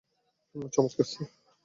চমৎকার, স্যার।